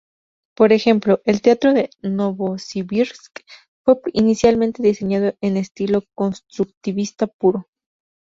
Por ejemplo, el teatro de Novosibirsk fue inicialmente diseñado en estilo constructivista puro.